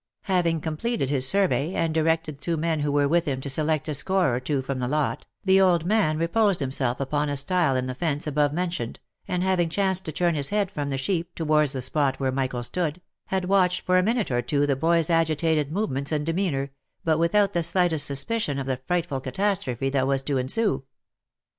Having completed his survey, and di rected two men who were with him to select a score or two from the lot, the old man reposed himself upon a style in the fence above men tioned, and having chanced to turn his head from the sheep, towards the spot where Michael stood, had watched for a minute or two the boy's agitated movements and demeanour, but without the slightest suspicion of the frightful catastrophe that was to ensue.